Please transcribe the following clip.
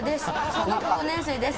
小学５年生です。